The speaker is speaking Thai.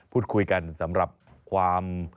พูดคุยกันสำหรับความ